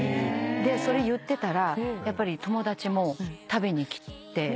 それ言ってたら友達も食べに来て。